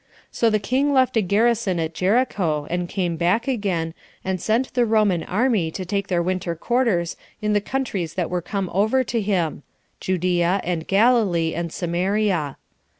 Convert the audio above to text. So the king left a garrison at Jericho, and came back again, and sent the Roman army to take their winter quarters in the countries that were come over to him, Judea, and Galilee, and Samaria.